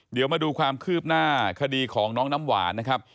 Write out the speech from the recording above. เดี๋ยวมาดูความคืบหน้าคดีของน้องน้ำหวานนะครับ